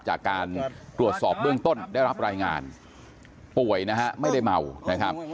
จากการตรวจสอบเบื้องต้นได้รับรายงานป่วยนะฮะไม่ได้เมานะครับ